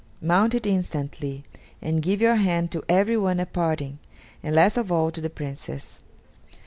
Mount it instantly, and give your hand to everyone at parting, and last of all to the Princess.